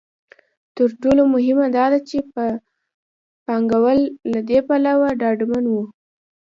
تر ټولو مهمه دا ده چې پانګوال له دې پلوه ډاډمن وو.